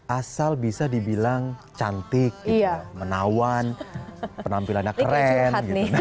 asal bisa dibilang cantik menawan penampilannya keren gitu